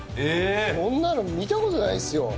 そんなの見た事ないですよ。